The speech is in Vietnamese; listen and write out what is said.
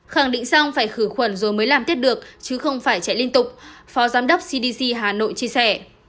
khẳng định xong phải khử khuẩn rồi mới làm tiếp được chứ không phải chạy liên tục phó giám đốc cdc hà nội chia sẻ